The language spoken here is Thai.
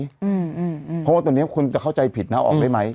เพราะว่าตอนนี้คนจะเข้าใจผิดนะออกได้ไหม